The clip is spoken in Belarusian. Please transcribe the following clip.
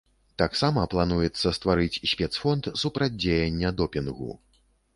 Таксама плануецца стварыць спецфонд супрацьдзеяння допінгу.